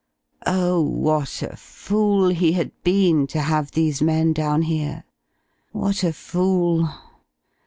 Oh, what a fool he had been to have these men down here! What a fool!